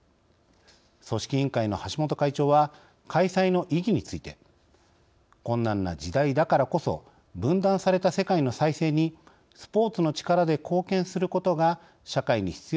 組織委員会の橋本会長は開催の意義について困難な時代だからこそ分断された世界の再生にスポーツの力で貢献することが社会に必要な価値だと訴えました。